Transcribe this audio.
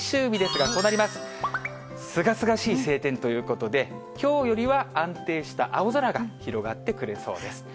すがすがしい晴天ということで、きょうよりは安定した青空が広がってくれそうです。